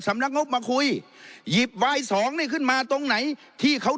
สำนักงบมาคุยหยิบวายสองนี่ขึ้นมาตรงไหนที่เขา